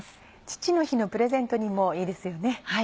父の日のプレゼントにもいいですよね。